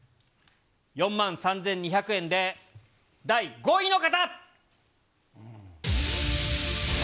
４万３２００円で、第５位の方。